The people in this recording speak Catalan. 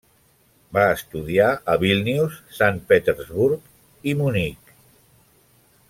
Va estudiar a Vílnius, Sant Petersburg i Munic.